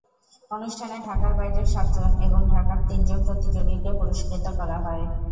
অনুষ্ঠানে ঢাকার বাইরের সাতজন এবং ঢাকার তিনজন প্রতিযোগীকে পুরস্কৃত করা হয়।